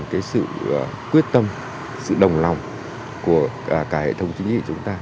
cái sự quyết tâm sự đồng lòng của cả hệ thống chính trị của chúng ta